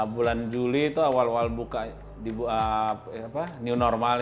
bulan juli itu awal awal buka new normal